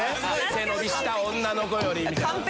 「背伸びした女の子より」みたいな。